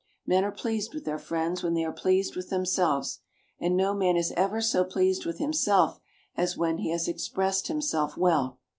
Men are pleased with their friends when they are pleased with themselves, and no man is ever so pleased with himself as when he has expressed himself well.